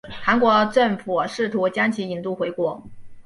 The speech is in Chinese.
韩国政府试图将其引渡回国。